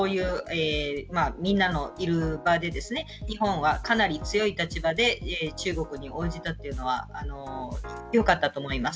みんなのいる場で日本はかなり強い立場で中国に応じたというのはよかったと思います。